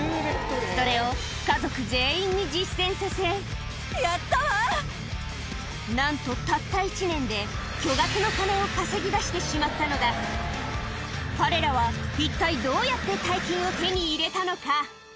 それを家族全員に実践させなんとたった１年で巨額の金を稼ぎ出してしまったのだ彼らは一体どうやって大金を手に入れたのか？